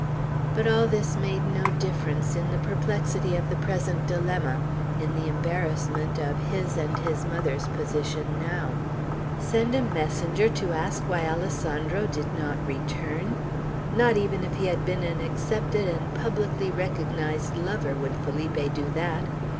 But all this made no difference in the perplexity of the present dilemma, in the embarrassment of his and his mother's position now. Send a messenger to ask why Alessandro did not return! Not even if he had been an accepted and publicly recognized lover, would Felipe do that!